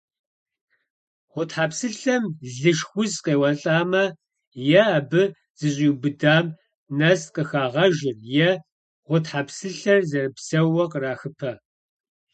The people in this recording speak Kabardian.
Гъутхьэпсылъэм лышх уз къеуэлӏамэ, е абы зэщӏиубыдам нэс къыхагъэжыр, е гъутхьэпсылъэр зэрыпсоууэ кърахыпэ.